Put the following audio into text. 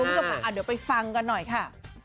เดี๋ยวไปฟังกันหน่อยค่ะ